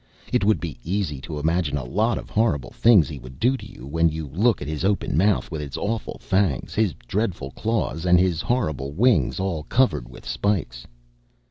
It would be easy to imagine a lot of horrible things he would do to you when you look at his open mouth with its awful fangs, his dreadful claws, and his horrible wings all covered with spikes."